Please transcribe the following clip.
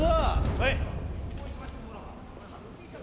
はい！